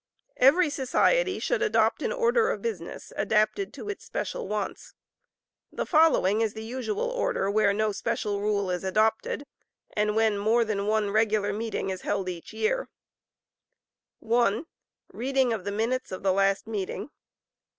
Every society should adopt an order of business adapted to its special wants. The following is the usual order where no special rule is adopted, and when more than one regular meeting is held each year: (1) Reading of the minutes of the last meeting.